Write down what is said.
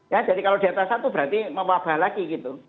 ya jadi kalau di atas satu berarti mewabah lagi gitu